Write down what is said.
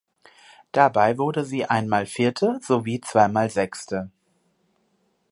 Dabei wurde sie einmal Vierte sowie zweimal Sechste.